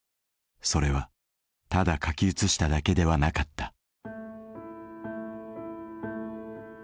それはただ書き写しただけではなかった。